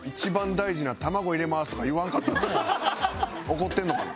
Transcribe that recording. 怒ってるのかな？